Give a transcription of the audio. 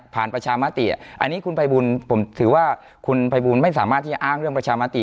ผ่านประชามาติผมถือว่าคุณภัยบูลไม่สามารถที่จะอ้างเรื่องประชามาติ